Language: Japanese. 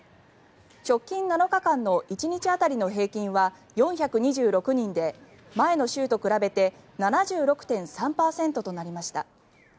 直近７日間の１日当たりの平均は４２６人で前の週と比べて７６．３％となりました。